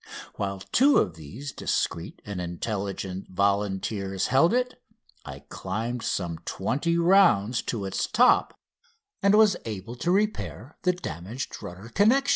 While two of these discreet and intelligent volunteers held it I climbed some twenty rounds to its top, and was able to repair the damaged rudder connection.